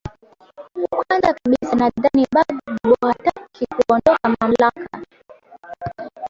kwanza kabisa nadhani bagdbo hataki kuondoka mamlaka